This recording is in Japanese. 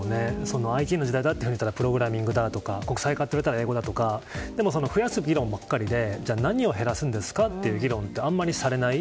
ＩＴの時代だったらプログラミングの授業だとか国際化といわれたら英語だとか増やす議論ばかりで何を減らすのかという議論はあまりされない。